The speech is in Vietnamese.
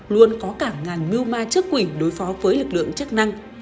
luôn có cả ngàn mưu ma chất quỷ đối phó với lực lượng chất năng